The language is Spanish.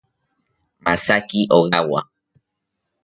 Masaki Ogawa